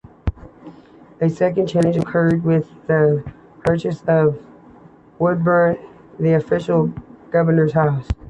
A second change occurred with the purchase of Woodburn, the official Governor's House.